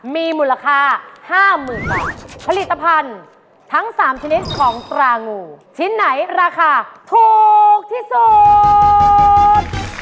มีมูลค่า๕๐๐๐บาทผลิตภัณฑ์ทั้ง๓ชนิดของตรางูชิ้นไหนราคาถูกที่สุด